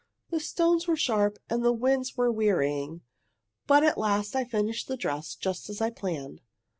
"The stones were sharp and the winds were wearying, but at last I finished the dress just as I planned.